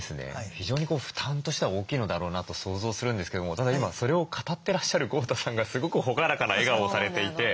非常に負担としては大きいのだろうなと想像するんですけどもただ今それを語ってらっしゃる豪太さんがすごく朗らかな笑顔をされていて。